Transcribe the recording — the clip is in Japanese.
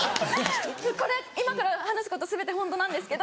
今から話すこと全てホントなんですけど。